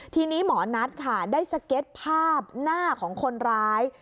ทีนี้หมอนัทค่ะได้สเก็ตภาพหน้าของคนร้าย